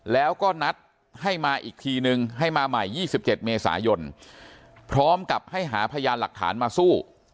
แล้วก็นัดให้มาอีกทีนึงให้มาใหม่๒๗เมษายนพร้อมกับให้หาพยานหลักฐานมาสู้